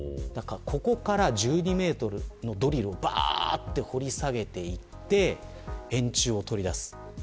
ここから１２メートルのドリルを掘り下げていって円柱を取り出す。